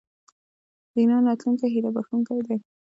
د ایران راتلونکی هیله بښونکی دی.